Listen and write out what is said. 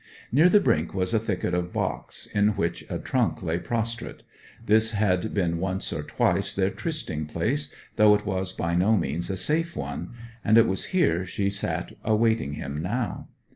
Near the brink was a thicket of box in which a trunk lay prostrate; this had been once or twice their trysting place, though it was by no means a safe one; and it was here she sat awaiting him now.